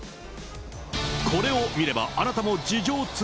これを見れば、あなたも事情通。